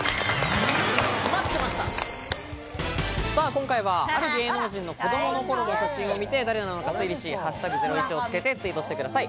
今回は、ある芸能人の子供の頃の写真を見て誰なのかを推理し「＃ゼロイチ」をつけてツイートしてください。